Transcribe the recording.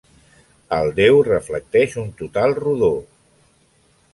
El deu reflecteix un total rodó.